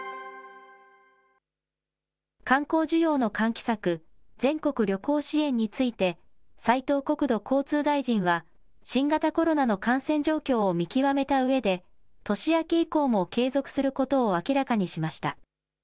観光需要の喚起策、全国旅行支援について、斉藤国土交通大臣は、新型コロナの感染状況を見極めたうえで、年明け以降も継続することを明らかにしました。